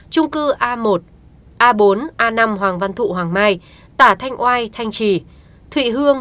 trung cư a một a bốn a năm hoàng văn thụ hoàng mai tả thanh oai thanh trì thụy hương